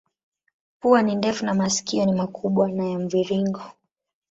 Pua ni ndefu na masikio ni makubwa na ya mviringo.